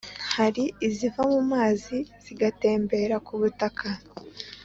, hari iziva mu mazi zigatembera ku butaka,